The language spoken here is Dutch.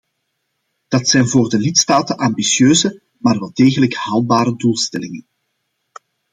Dat zijn voor de lidstaten ambitieuze, maar wel degelijk haalbare doelstellingen.